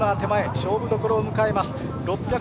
勝負どころを迎えます。